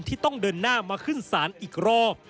ที่ต้องเดินหน้ามาขึ้นศาลอีกรอบ